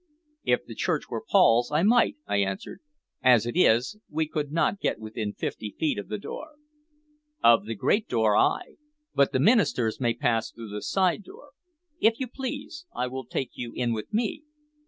"If the church were Paul's, I might," I answered. "As it is, we could not get within fifty feet of the door." "Of the great door, ay, but the ministers may pass through the side door. If you please, I will take you in with me.